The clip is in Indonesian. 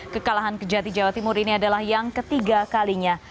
kekalahan kejati jawa timur ini adalah yang ketiga kalinya